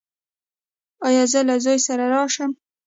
ایا زه له زوی سره راشم؟